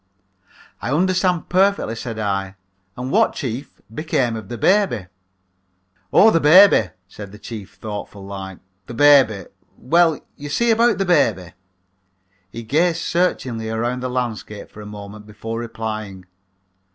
"I understand perfectly," said I, "and what, chief, became of the baby?" "Oh, the baby," said the chief, thoughtful like; "the baby well, you see, about that baby " he gazed searchingly around the landscape for a moment before replying.